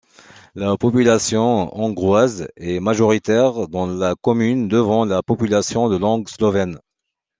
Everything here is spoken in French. La population hongroise est majoritaire dans la commune devant la population de langue slovène.